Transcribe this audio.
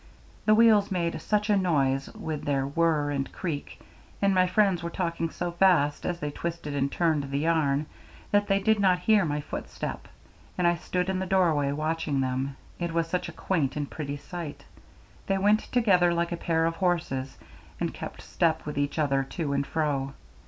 The wheels made such a noise with their whir and creak, and my friends were talking so fast as they twisted and turned the yarn, that they did not hear my footstep, and I stood in the doorway watching them, it was such a quaint and pretty sight. They went together like a pair of horses, and kept step with each other to and fro.